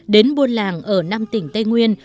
đến buôn làng ở năm tỉnh tây nguyên